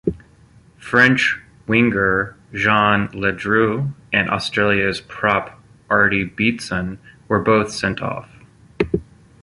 French winger Jean Ledru and Australia's prop Artie Beetson were both sent off.